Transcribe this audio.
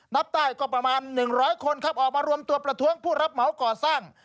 นับได้ก็ประมาณ๑๐๐คนครับออกมารวมตัวประท้วงผู้รับเหมาก่อสร้าง